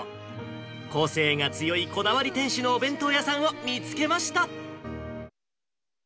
個性が強いこだわり店主のお弁当屋さんを見つけました。